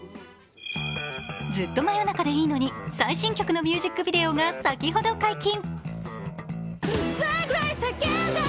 「ずっと真夜中でいいのに」、最新曲のミュージックビデオが先ほど解禁。